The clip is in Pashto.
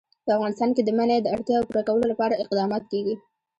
په افغانستان کې د منی د اړتیاوو پوره کولو لپاره اقدامات کېږي.